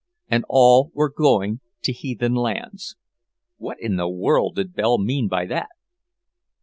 And all were going "to heathen lands." What in the world did Belle mean by that?